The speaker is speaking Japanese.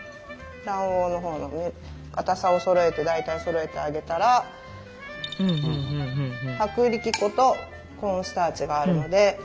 卵黄のほうにかたさをそろえて大体そろえてあげたら薄力粉とコーンスターチがあるので。